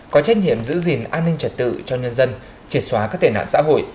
có trách nhiệm giữ gìn an ninh trật tự cho nhân dân triệt xóa các tệ nạn xã hội